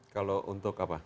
kalau untuk apa